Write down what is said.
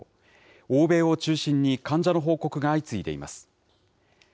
欧米を中心に患者の報告が相次いでいます。